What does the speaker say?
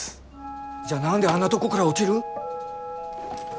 じゃあ何であんなとこから落ちる？